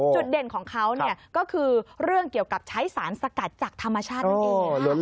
เด่นของเขาก็คือเรื่องเกี่ยวกับใช้สารสกัดจากธรรมชาตินั่นเอง